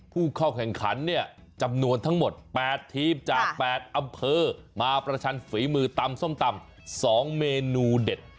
ผู้เข้าแข่งขันเนี่ยจำนวนทั้งหมด๘ทีมจาก๘อำเภอมาประชันฝีมือตำส้มตำ๒เมนูเด็ด